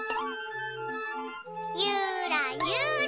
ゆらゆら。